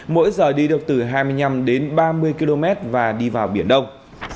mỗi giờ đi được từ hai mươi năm đến ba mươi km và đi vào biển đông